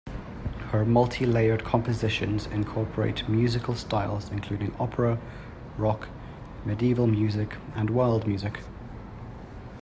Her multi-layered compositions incorporate musical styles including opera, rock, Medieval music, and world music.